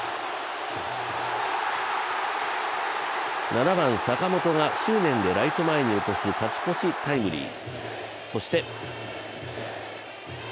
７番・坂本が執念でライト前に落とす勝ち越しタイムリー。